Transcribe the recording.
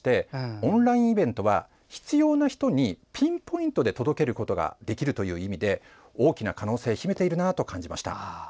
オンラインイベントは必要な人にピンポイントで届ることができるという意味で大きな可能性を秘めているなと感じました。